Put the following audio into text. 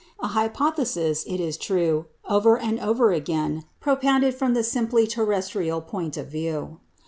" An hypothesis, it is true, over and over again propounded from the simply terrestrial point of view.